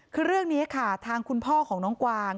คือเรื่องนี้ค่ะทางคุณพ่อของน้องกวาง